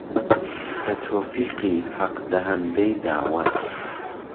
به تۆفیقی ههق دهههندەی داوەر